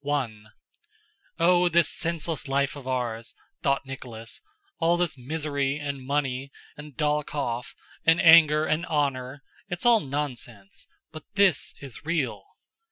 One. "Oh, this senseless life of ours!" thought Nicholas. "All this misery, and money, and Dólokhov, and anger, and honor—it's all nonsense... but this is real....